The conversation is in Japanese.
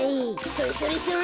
それそれそれ。